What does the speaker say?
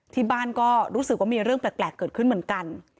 ที่บ้านก็รู้สึกว่ามีเรื่องแปลกเกิดขึ้นเหมือนกัน